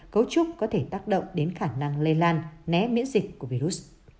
cấu trúc có thể tác động đến khả năng lây lan né miễn dịch của virus